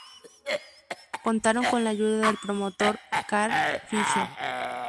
Contaron con la ayuda del promotor Carl Fischer.